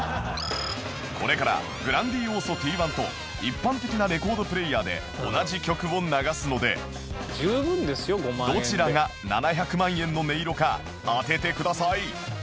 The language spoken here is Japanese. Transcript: これから ＧｒａｎｄｉｏｓｏＴ１ と一般的なレコードプレーヤーで同じ曲を流すのでどちらが７００万円の音色か当ててください